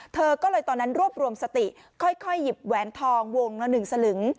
เธอก็เลยตอนนั้นรวบรวมสติค่อยหยิบแหวนทองวงละ๑สลึง